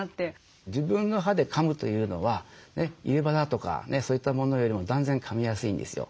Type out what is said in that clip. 自分の歯でかむというのは入れ歯だとかそういったものよりも断然かみやすいんですよ。